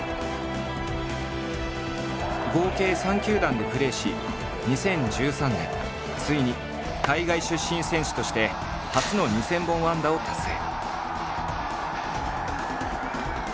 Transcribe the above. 合計３球団でプレーし２０１３年ついに海外出身選手として初の２，０００本安打を達成。